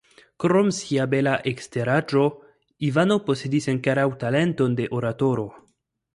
Krom sia bela eksteraĵo Ivano posedis ankoraŭ talenton de oratoro.